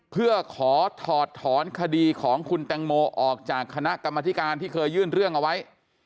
เพื่อขอถอดถอนคดีของคุณแตงโมออกจากคณะกรรมธิการที่เคยยื่นเรื่องเอาไว้